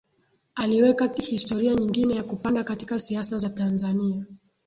Aliweka historia nyingine ya kupanda katika siasa za Tanzania